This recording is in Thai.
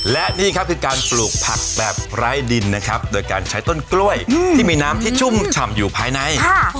และนี่ครับคือการปลูกผักแบบไร้ดินนะครับโดยการใช้ต้นกล้วยที่มีน้ำที่ชุ่มฉ่ำอยู่ภายใน